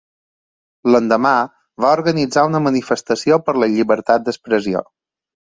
L'endemà va organitzar una manifestació per la llibertat d'expressió.